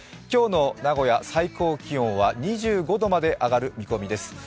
今日の名古屋、最高気温は２５度まで上がる見込みです。